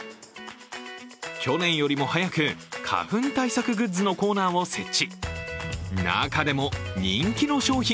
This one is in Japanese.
去年よりも早く花粉対策グッズのコーナーを設置。